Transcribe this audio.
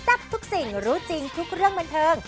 ทับทุกสิ่งรู้จริงทุกเรื่องบันเทิง